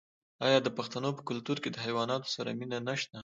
آیا د پښتنو په کلتور کې د حیواناتو سره مینه نشته؟